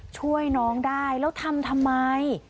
ช่วยน้องได้แล้วทำทำไม